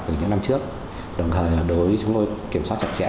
từ những năm trước đồng thời đối với chúng tôi kiểm soát chặt chẽ